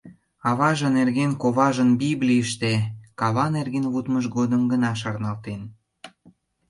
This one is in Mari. Аваже нерген коважын Библийыште кава нерген лудмыж годым гына шарналтен.